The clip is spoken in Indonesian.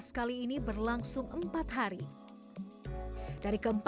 senangnya ada sayap